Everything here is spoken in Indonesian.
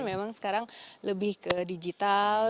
memang sekarang lebih ke digital